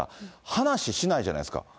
話しないじゃないですか。